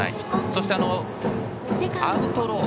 そして、アウトロー。